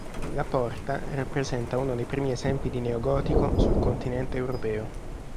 La porta rappresenta uno dei primi esempi di neogotico sul continente europeo.